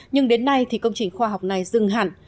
nhưng đến nay thì công trình khoa học này dừng hẳn